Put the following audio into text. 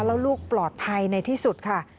แล้วลูกปลอดภัยในที่สุดค่ะ